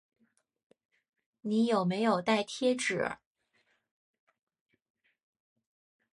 你有没有带贴纸